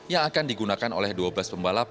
yang akan digunakan oleh dua belas pembalap